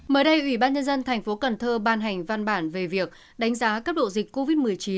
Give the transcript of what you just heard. mới đây ủy ban nhân dân thành phố cần thơ ban hành văn bản về việc đánh giá cấp độ dịch covid một mươi chín